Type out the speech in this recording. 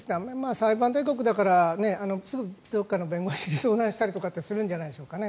裁判大国だからすぐ、どこかの弁護士に相談したりするんじゃないでしょうかね。